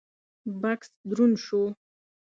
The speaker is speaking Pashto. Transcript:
بکس دروند شو: